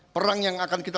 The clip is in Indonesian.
perang yang akan kita lakukan